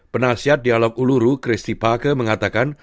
penasihat dialog uluru christi pake mengatakan